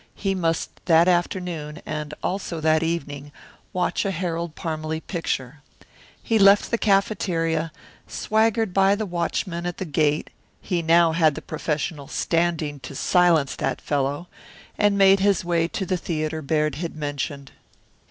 He must that afternoon, and also that evening, watch a Harold Parmalee picture. He left the cafeteria, swaggered by the watchman at the gate he had now the professional standing to silence that fellow and made his way to the theatre Baird had mentioned.